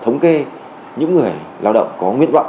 thống kê những người lao động có nguyên vọng